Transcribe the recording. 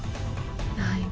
はい。